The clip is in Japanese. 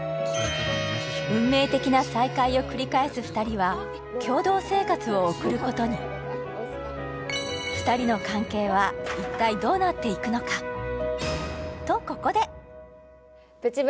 運命的な再会を繰り返す２人は共同生活を送ることに２人の関係は一体どうなっていくのか？とここで！